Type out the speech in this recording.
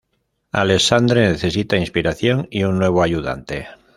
Alexandre necesita inspiración y un nuevo ayudante.